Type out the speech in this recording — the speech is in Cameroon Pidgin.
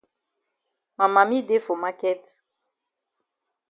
Ma mami dey for maket.